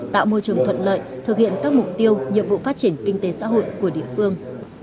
tạo môi trường thuận lợi thực hiện các mục tiêu nhiệm vụ phát triển kinh tế xã hội của địa phương